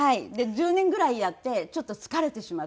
１０年ぐらいやってちょっと疲れてしまって。